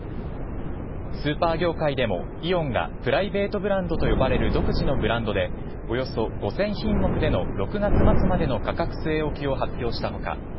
スーパー業界でもイオンがプライベートブランドと呼ばれる独自のブランドでおよそ５０００品目での６月末までの価格据え置きを発表した他